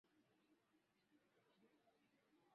Jabir na Jacob matata walifanya kazi idara moja